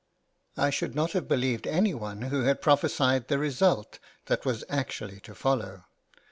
I should not have believed any one who had prophesied the result that was actually to follow.